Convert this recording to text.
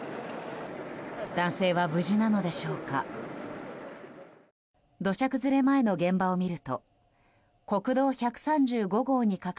男性は無事なのでしょうか。